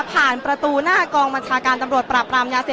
ผ่านประตูหน้ากองมจากรรมตำรวจปรับปรามยาทศัพท์